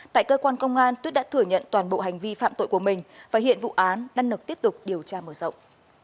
tại cơ quan công an tuyết đã thừa nhận toàn bộ hành vi phạm tội của mình và hiện vụ án đang được tiếp tục điều tra mở rộng